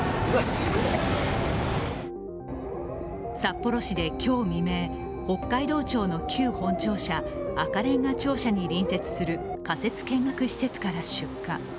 札幌市で今日未明、北海道庁の旧本庁舎赤れんが庁舎に隣接する仮設見学施設から出火。